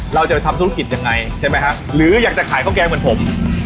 เราจะทำธุรกิจยังไงหรือยังจะขายข้าวแกงเกินผม